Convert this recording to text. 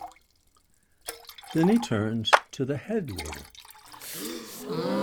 Then he turned to the head waiter.